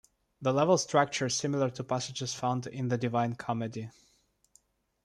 The level structure is similar to passages found in the Divine Comedy.